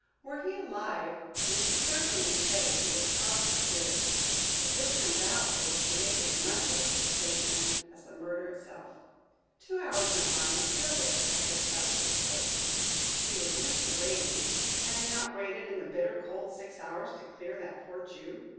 Were he alive we should certainly say he was caught with the goods. If this comes out it will create as much of a sensation as the murder itself." Two hours went by and still the detective kept to his post. He was used to waiting had he not waited in the bitter cold six hours to clear that poor Jew?